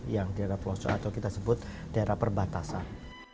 yang daerah pelosok atau kita sebut daerah perbatasan